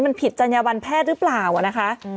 มันผิดจัญญบันแพทย์หรือเปล่านะคะ